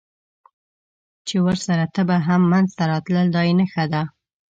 چې ورسره تبه هم منځته راتلل، دا یې نښه ده.